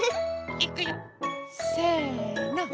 いくよせの。